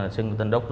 sơn tân đốc